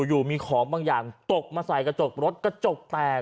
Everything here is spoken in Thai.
อยู่มีของบางอย่างตกมาใส่กระจกรถกระจกแตก